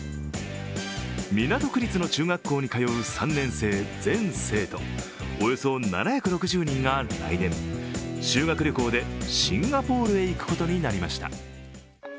港区立の中学校に通う３年生全生徒、およそ７６０人が来年、修学旅行でシンガポールへ行くことになりました。